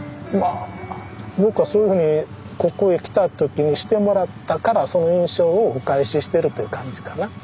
まあ僕はそういうふうにここへ来た時にしてもらったからその印象をお返ししてるという感じかな。